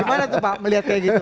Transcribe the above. gimana tuh pak melihatnya gitu